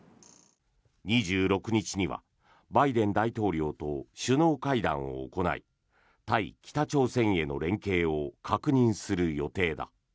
２６日にはバイデン大統領と首脳会談を行い対北朝鮮への連携を確認する予定だ。